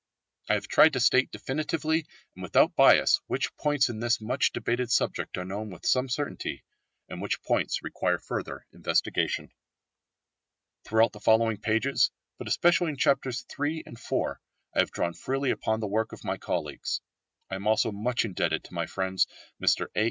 I have tried to state definitely and without bias which points in this much debated subject are known with some certainty, and which points require further investigation. Throughout the following pages, but especially in chapters III and IV, I have drawn freely upon the work of my colleagues. I am also much indebted to my friends, Mr A.